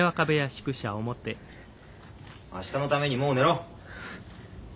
明日のためにもう寝ろ。